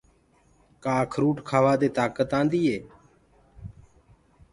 ڪآ اکروُٽ ڪآوآ دي تآڪت آندي هي۔